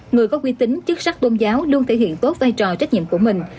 người có quy tính chức sắc tôn giáo luôn thể hiện tốt vai trò trách nhiệm của mình